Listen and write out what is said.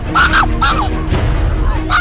mama gak tau ini kenapa sih